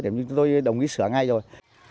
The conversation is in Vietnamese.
thế thì tôi đồng ý sửa ngay rồi